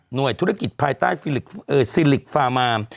หน่วยธุรกิจภายใต้ซีลิกฟาร์มา